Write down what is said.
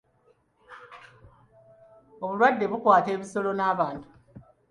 Obulwadde bukwata ebisolo n'abantu.